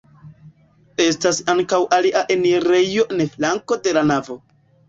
Estas ankaŭ alia enirejo en flanko de la navo.